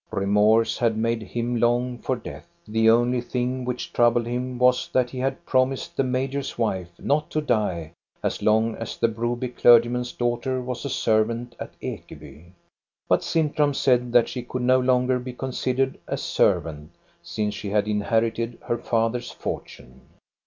Remorse had made him long for death. The only thing which troubled him was, that he had promised the majors wife not to die as long as the Broby clergyman's daughter was a servant at Ekeby. But Sintram said that she could no longer be considered as servant, since she had inherited her father's fortune.